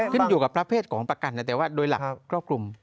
ขึ้นอยู่กับประเภทของประกันแต่ว่าโดยหลักครอบคลุม